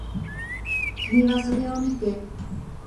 君はそれを見て、黄色い車の中にあった紙？ときいた